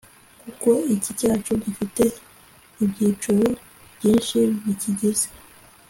kuko iki cyacu gifite ibyicoro byinshi bikigize